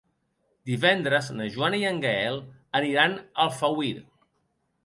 Divendres na Joana i en Gaël aniran a Alfauir.